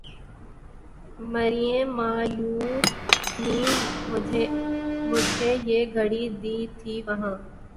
میریں مامیںں نیں مجھیں یہ گھڑی دی تھی وہاں